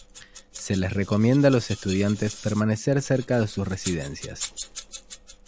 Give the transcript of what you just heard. Se les recomienda a los estudiantes permanecer cerca de sus residencias.